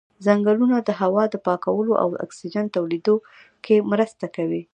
ځنګلونه د هوا د پاکولو او د اکسیجن تولیدولو کې مرسته کوي.